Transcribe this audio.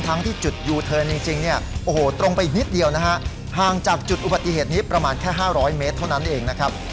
ที่จุดยูเทิร์นจริงเนี่ยโอ้โหตรงไปอีกนิดเดียวนะฮะห่างจากจุดอุบัติเหตุนี้ประมาณแค่๕๐๐เมตรเท่านั้นเองนะครับ